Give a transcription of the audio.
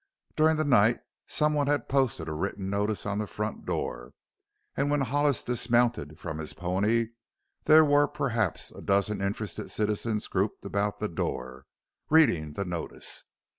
During the night someone had posted a written notice on the front door, and when Hollis dismounted from his pony there were perhaps a dozen interested citizens grouped about the door, reading the notice.